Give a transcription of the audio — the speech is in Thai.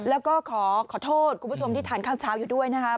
แล้วก็ขอขอโทษคุณผู้ชมที่ทานข้าวเช้าอยู่ด้วยนะครับ